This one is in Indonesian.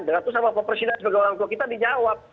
dan waktu sama pak presiden sebagai orang tua kita dijawab